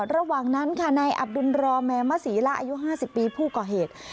ระหว่างนั้นค่ะนายอับดุลรอแมมศรีละอายุ๕๐ปีผู้ก่อเหตุ